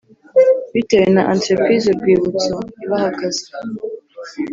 bitewe na entrepise Urwibutso ibaha akazi